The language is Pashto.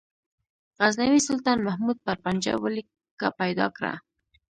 غزنوي سلطان محمود پر پنجاب ولکه پیدا کړه.